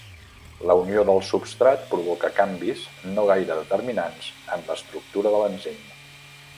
La unió del substrat provoca canvis no gaire determinants en l'estructura de l'enzim.